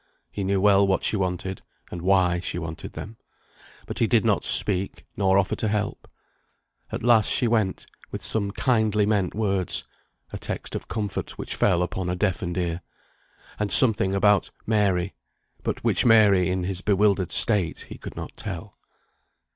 He knew well what she wanted, and why she wanted them, but he did not speak, nor offer to help. At last she went, with some kindly meant words (a text of comfort, which fell upon a deafened ear), and something about "Mary," but which Mary, in his bewildered state, he could not tell.